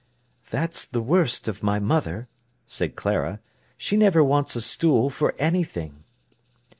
"That's the worst of my mother," said Clara. "She never wants a stool for anything."